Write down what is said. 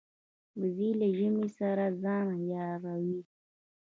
وزې له ژمې سره ځان عیاروي